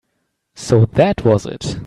So that was it.